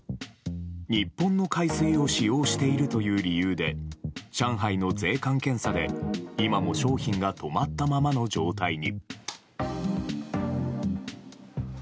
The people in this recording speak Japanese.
日本の海水を使用しているという理由で上海の税関検査で、今も商品が止まったままの状態に。